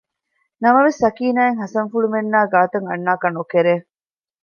ނަމަވެސް ސަކީނާއަށް ހަސަންފުޅުމެންނާއި ގާތަށް އަންނާކަށް ނުކެރޭ